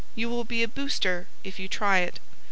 You will be a booster if you try it.